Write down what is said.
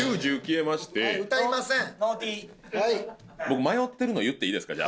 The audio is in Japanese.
僕迷ってるの言っていいですか？